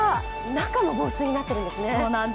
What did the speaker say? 中も防水になっているんですね。